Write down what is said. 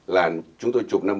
là chúng tôi chụp năm bảy mươi hai